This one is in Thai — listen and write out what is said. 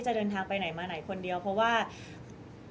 มิวยังมีเจ้าหน้าที่ตำรวจอีกหลายคนที่พร้อมจะให้ความยุติธรรมกับมิว